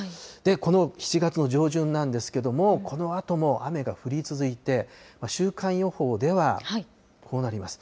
この７月の上旬なんですけど、このあとも雨が降り続いて、週間予報では、こうなります。